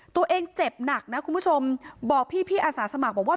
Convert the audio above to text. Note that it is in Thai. ตัวเองเจ็บหนักนะคุณผู้ชมบอกพี่อาสาสมัครบอกว่า